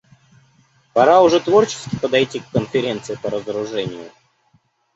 Пора уже творчески подойти к Конференции по разоружению.